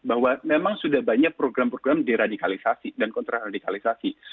bahwa memang sudah banyak program program deradikalisasi dan kontraradikalisasi